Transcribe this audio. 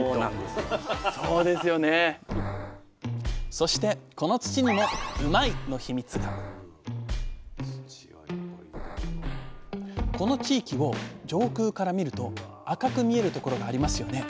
そしてこの土にもうまいッ！のヒミツがこの地域を上空から見ると赤く見える所がありますよね。